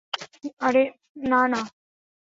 আরে না না।